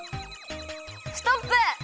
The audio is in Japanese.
ストップ！